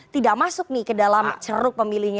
tidak masuk nih ke dalam ceruk pemilihnya